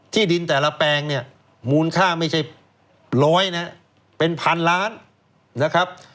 ที่ดินแต่ละแปลงเนี่ยมูลค่าไม่ใช่ร้อยนะเป็นพันล้านนะครับ